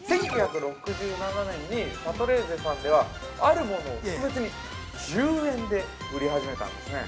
１９６７年にシャトレーゼさんではあるものを特別に１０円で売り始めたんですね。